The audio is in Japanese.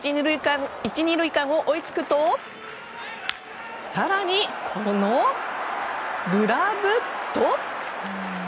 １、２塁間を追いつくと更に、このグラブトス。